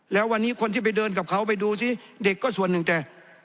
แล้ววันนี้คนที่ไปเดินกับเขาไปดูซิเด็กก็ส่วนหนึ่งแต่